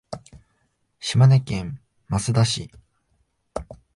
島根県益田市